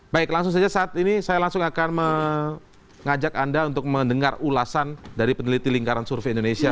baik langsung saja saat ini saya langsung akan mengajak anda untuk mendengar ulasan dari peneliti lingkaran survei indonesia